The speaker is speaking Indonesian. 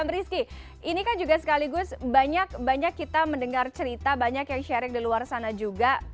rizky ini kan juga sekaligus banyak kita mendengar cerita banyak yang sharing di luar sana juga